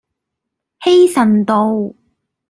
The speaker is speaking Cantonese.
希慎道